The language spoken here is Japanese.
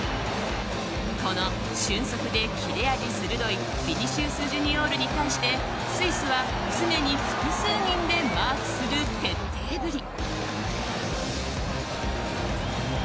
この駿足で切れ味鋭いヴィニシウス・ジュニオールに対してスイスは常に複数人でマークする徹底ぶり。